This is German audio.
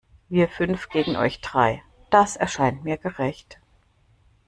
Wir fünf gegen euch drei, das erscheint mir gerecht.